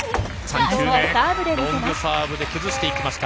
ロングサーブで崩していきました。